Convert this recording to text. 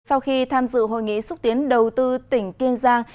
sau khi tham dự hội nghị xúc tiến đầu tư tỉnh kiên giang